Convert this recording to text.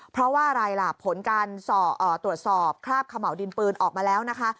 เพราะว่าอะไรล่ะผลการตรวจสอบคราบเขม่าวดินปืนออกมาแล้วนะคะ